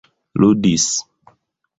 ludis